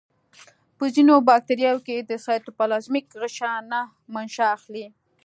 په ځینو باکتریاوو کې د سایتوپلازمیک غشا نه منشأ اخلي.